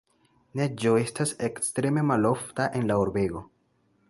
Neĝo estas ekstreme malofta en la urbego.